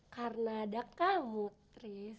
karena ada kamu tris